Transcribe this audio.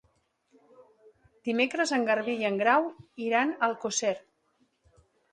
Dimecres en Garbí i en Grau iran a Alcosser.